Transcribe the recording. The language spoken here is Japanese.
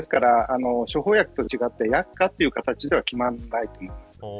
処方薬と違って薬価というかたちでは決まらないと思います。